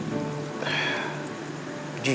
jujur aja ya